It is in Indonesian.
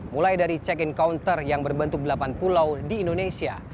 mulai dari check in counter yang berbentuk delapan pulau di indonesia